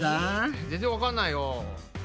全然わかんないよ。